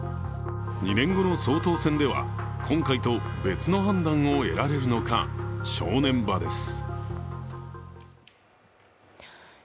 ２年後の総統選では今回と別の判断を得られるのか、正念場です。